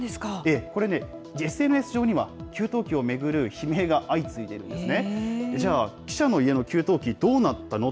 これね、ＳＮＳ上には、給湯器を巡る悲鳴が相次いでいるんですね。